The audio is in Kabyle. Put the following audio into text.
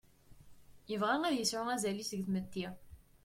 Yebɣa ad yesɛu azal-is deg tmetti.